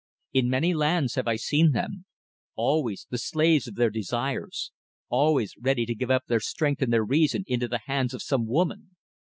"In many lands have I seen them; always the slaves of their desires, always ready to give up their strength and their reason into the hands of some woman.